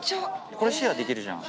これシェアできるじゃん。